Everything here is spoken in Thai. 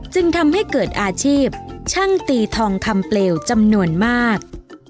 จึงทำให้เกิดอาชีพช่างตีทองคำเปลวจำนวนมาก